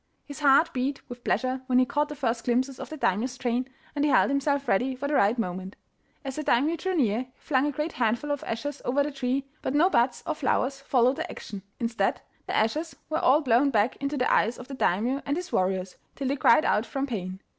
His heart beat with pleasure when he caught the first glimpses of the Daimio's train, and he held himself ready for the right moment. As the Daimio drew near he flung a great handful of ashes over the trees, but no buds or flowers followed the action: instead, the ashes were all blown back into the eyes of the Daimio and his warriors, till they cried out from pain.